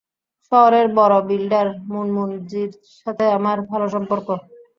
শহরের বড় বিল্ডার, মুনমুন জীর সাথে, আমার ভালো সম্পর্ক।